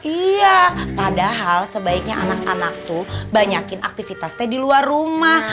iya padahal sebaiknya anak anak tuh banyakin aktivitasnya di luar rumah